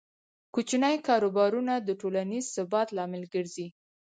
کوچني کاروبارونه د ټولنیز ثبات لامل ګرځي.